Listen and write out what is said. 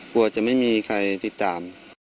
กลัวจะไม่มีใครติดตาม